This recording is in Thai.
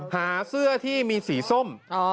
หาเสื้อที่มีสีส้ม